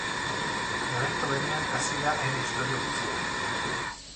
Memento berean, hasi da ene ixtorio guzia.